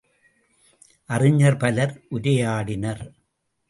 அறிஞர் பலர் உரையாடினர்.